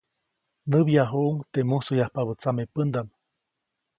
Näbyajuʼuŋ teʼ musoyapabä tsamepändaʼm.